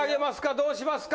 どうしますか？